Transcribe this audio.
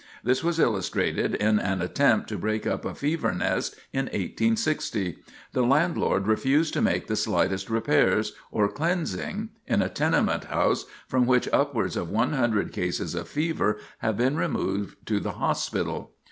This was illustrated in an attempt to break up a fever nest in 1860. The landlord refused to make the slightest repairs, or cleansing, in a tenement house from which upwards of one hundred cases of fever have been removed to the hospital.